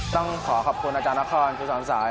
ต้องขอขอบคุณอาจารย์นครคุณสอนสาย